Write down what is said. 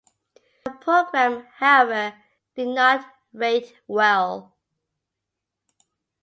The programme, however, did not rate well.